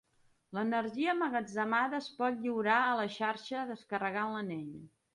L'energia emmagatzemada es pot lliurar a la xarxa descarregant l'anell.